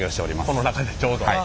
この中でちょうど。